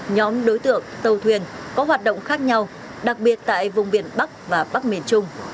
nhóm đối tượng tàu thuyền có hoạt động khác nhau đặc biệt tại vùng biển bắc và bắc miền trung